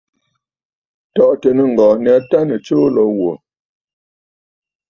Tɔ̀ʼɔ̀tə̀ nɨŋgɔ̀ɔ̀ nyâ tâ nɨ̀ tsuu lǒ wò.